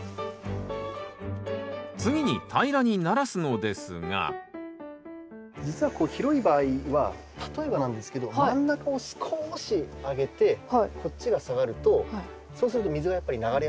次に平らにならすのですが実はこう広い場合は例えばなんですけど真ん中を少し上げてこっちが下がるとそうすると水がやっぱり流れやすくなるので。